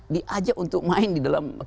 diajak untuk main di dalam